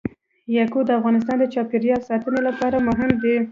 یاقوت د افغانستان د چاپیریال ساتنې لپاره مهم دي.